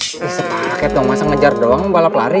terus sepaket dong masa ngejar doang balap lari